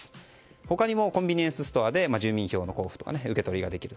他にもコンビニエンスストアで住民票の交付や受け取りができる。